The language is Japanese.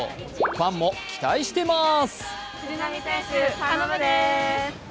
ファンも期待しています。